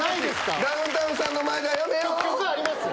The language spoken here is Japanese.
山内ダウンタウンさんの前ではやめよ！